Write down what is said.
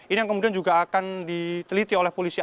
ini yang kemudian juga akan diteliti oleh polisi